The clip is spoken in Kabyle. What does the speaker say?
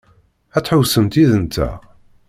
Ad tḥewwsemt yid-nteɣ?